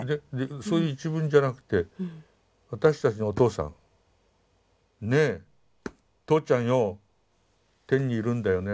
そういう一文じゃなくて「私たちのお父さんねえとうちゃんよ天にいるんだよね」。